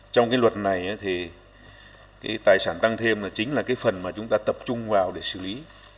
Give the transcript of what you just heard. trong cái luật này thì cái tài sản tăng thêm là chính là cái phần mà chúng ta tập trung vào để xử lý